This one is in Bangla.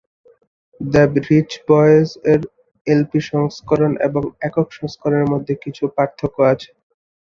দ্য বিচ বয়েজ এর এলপি সংস্করণ এবং একক সংস্করণ এর মধ্যে কিছু পার্থক্য আছে।